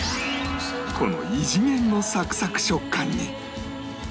この異次元のサクサク食感に